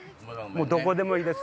どこでもいいです。